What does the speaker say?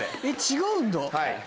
えっ違うんだ。